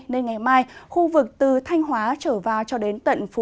nên ngày mai khu vực từ thanh hóa trở vào cho đến tận phú